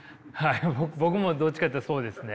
僕もどっちかというとそうですね。